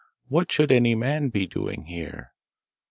What should any man be doing here?